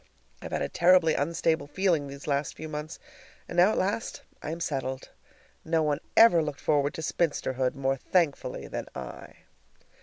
I have had a terribly unstable feeling these last few months, and now at last I am settled. No one ever looked forward to spinsterhood more thankfully than I.